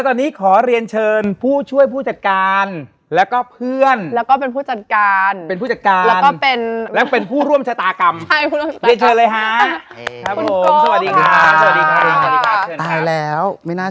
คนนี้เนี่ยจะมาเล่าเนี่ย